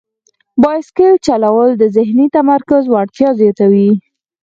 بایسکل چلول د ذهني تمرکز وړتیا زیاتوي.